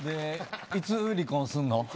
いつ離婚するの。